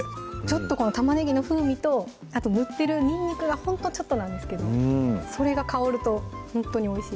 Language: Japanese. ちょっとこの玉ねぎの風味とあと塗ってるにんにくがほんとちょっとなんですけどそれが香るとほんとにおいしい